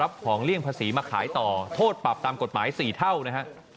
ของเลี่ยงภาษีมาขายต่อโทษปรับตามกฎหมาย๔เท่านะฮะ